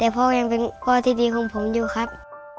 แต่พ่อยังเป็นพ่อที่ดีของผมอยู่ครับ